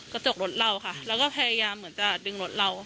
กระจกรถเราค่ะเราก็พยายามเหมือนจะดึงรถเรา